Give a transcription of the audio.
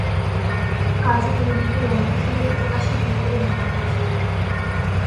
তিনি কার্জন উইলিকে লন্ডন শহরে প্রকাশ্যে গুলি করে হত্যা করেছিলেন।